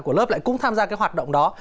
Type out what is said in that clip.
của lớp lại cũng tham gia cái hoạt động đó